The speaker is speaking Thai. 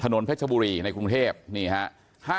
เพชรบุรีในกรุงเทพนี่ฮะ